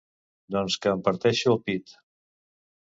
Doncs que em parteixo el pit!